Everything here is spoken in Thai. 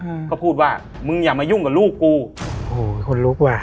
อืมก็พูดว่ามึงอย่ามายุ่งกับลูกกูโอ้โหคนลุกว่ะ